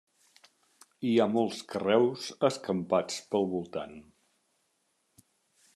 Hi ha molts carreus escampats pel voltant.